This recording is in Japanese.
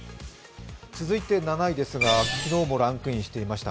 続いて７位ですが、昨日もランクインしていました。